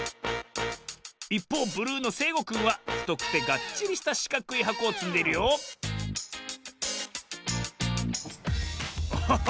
いっぽうブルーのせいごくんはふとくてがっちりしたしかくいはこをつんでいるよおっ！